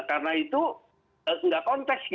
karena itu tidak konteks